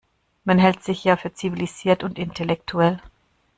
Man hält sich ja für zivilisiert und intellektuell.